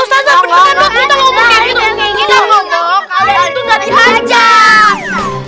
kalau kita ngomong kalian tuh gak diajak